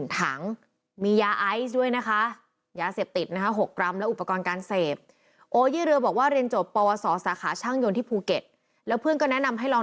ถังทดสอบอาวุธปืน๑ถัง